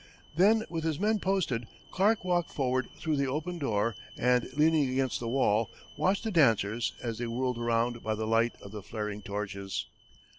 Then with his men posted, Clark walked forward through the open door, and leaning against the wall, watched the dancers, as they whirled around by the light of the flaring torches.